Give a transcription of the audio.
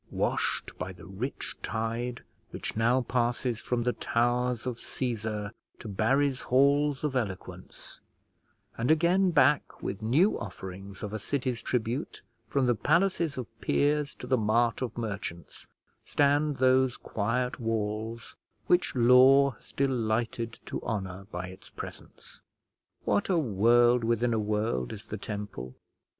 Washed by the rich tide which now passes from the towers of Cæsar to Barry's halls of eloquence; and again back, with new offerings of a city's tribute, from the palaces of peers to the mart of merchants, stand those quiet walls which Law has delighted to honour by its presence. What a world within a world is the Temple!